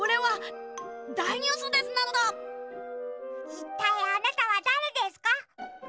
いったいあなたはだれですか？